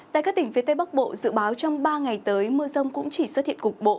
tại các tỉnh phía tây bắc bộ dự báo trong ba ngày tới mưa rông cũng chỉ xuất hiện cục bộ